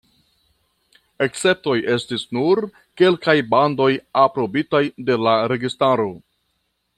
Esceptoj estis nur kelkaj bandoj aprobitaj de la registaro.